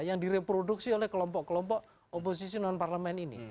yang direproduksi oleh kelompok kelompok oposisi non parlemen ini